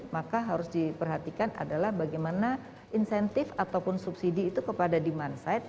maka harus diperhatikan adalah bagaimana insentif ataupun subsidi itu kepada demand side